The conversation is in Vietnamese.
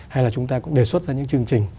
hay là chúng ta cũng đề xuất ra những chương trình